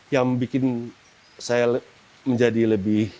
yang bikin saya menjadi lebih